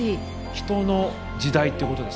人の時代ってことですよね？